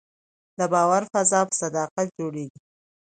د باور فضا په صداقت جوړېږي